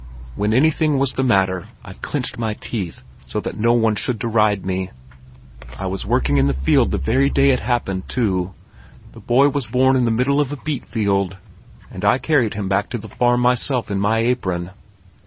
When anything was the matter, I clenched my teeth so that no one should deride me. I was working in the field the very day it happened, too. The boy was born in the middle of a beet field, and I carried him back to the farm myself in my apron.